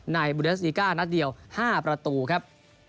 บูเดสติก้านัดเดียว๕ประตูครับ